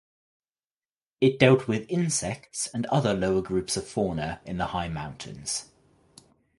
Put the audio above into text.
It dealt with insects and other lower groups of fauna in the high mountains.